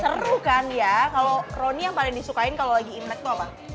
seru kan ya kalau roni yang paling disukain kalau lagi imlek itu apa